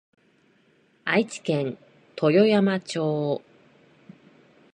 愛知県豊山町